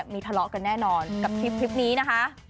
มีทะเลาะกันแน่นอนกับคลิปนี้นะคะ